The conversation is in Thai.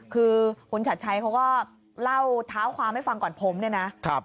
คือคุณชัดชัยเขาก็เล่าเท้าความให้ฟังก่อนผมเนี่ยนะ